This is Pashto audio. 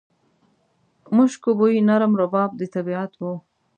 مشکو بوی، نرم رباب د طبیعت و